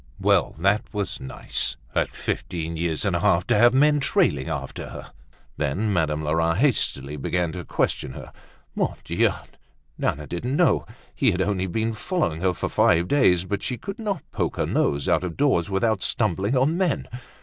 Well, that was nice! At fifteen years and a half to have men trailing after her! Then Madame Lerat hastily began to question her. Mon Dieu! Nana didn't know; he had only been following her for five days, but she could not poke her nose out of doors without stumbling on men.